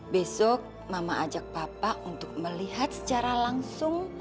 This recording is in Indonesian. besok mama ajak bapak untuk melihat secara langsung